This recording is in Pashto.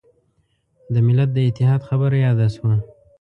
د ملت د اتحاد خبره یاده شوه.